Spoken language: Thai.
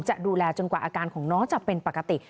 จะดูแลจนกว่าอาการของน้องจะเป็นปกติ